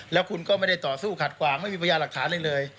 แล้วคุณก็ไม่ได้ต่อสู้ขัดขวางไม่มีพยาหลักฐานอะไรเลย